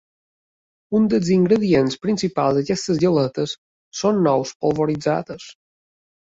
Un dels ingredients principals d'aquestes galetes són nous polvoritzades.